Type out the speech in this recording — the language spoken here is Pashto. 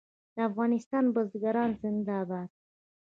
د افغانستان بزګران زنده باد.